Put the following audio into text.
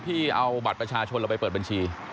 ที่เอาบัตรประชาชนเราไปเปิดบัญชี